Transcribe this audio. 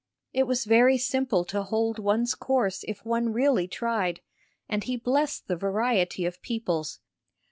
It was very simple to hold one's course if one really tried, and he blessed the variety of peoples.